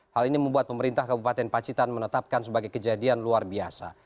hal ini membuat pemerintah kabupaten pacitan menetapkan sebagai kejadian luar biasa